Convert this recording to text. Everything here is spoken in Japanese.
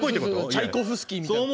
チャイコフスキーみたいな。